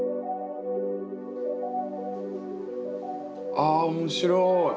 あ面白い。